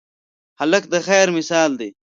هلک د خیر مثال دی.